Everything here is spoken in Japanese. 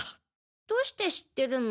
どうして知ってるの？